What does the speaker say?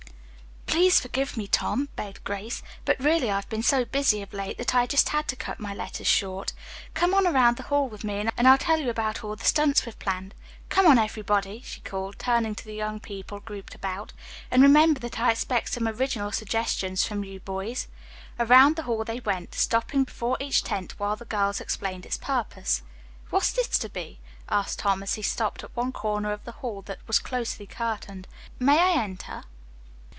"Please forgive me, Tom," begged Grace, "but really I've been so busy of late that I just had to cut my letters short. Come on around the hall with me, and I'll tell you about all the stunts we've planned. Come on, everybody," she called, turning to the young people grouped about, "and remember, that I expect some original suggestions from you boys." Around the hall they went, stopping before each tent, while the girls explained its purpose. "What's this to be?" asked Tom, as he stopped at one corner of the hall that was closely curtained. "May I enter?"